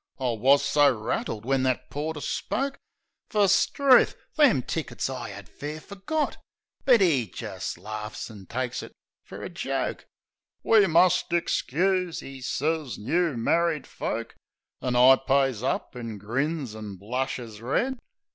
I wus so rattled when that porter spoke. Fer, 'struth! them tickets I 'ad fair forgot! But 'e jist laughs, an' takes it fer a joke. "We must ixcuse," 'e sez, "new married folk." An' I pays up. an' grins, an' blushes red.